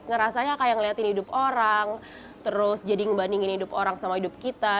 ngerasanya kayak ngeliatin hidup orang terus jadi ngebandingin hidup orang sama hidup kita